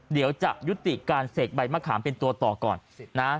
เดี๋ยวจะยุติการเสกใบมะขามเป็นตัวต่อก่อนนะ